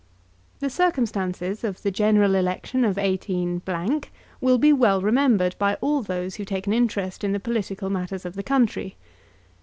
The circumstances of the general election of 18 will be well remembered by all those who take an interest in the political matters of the country.